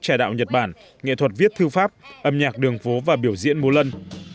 trẻ đạo nhật bản nghệ thuật viết thư pháp âm nhạc đường phố và biểu diễn mô lân